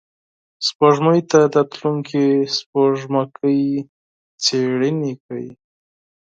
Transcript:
سپوږمۍ ته تلونکي سپوږمکۍ څېړنې کوي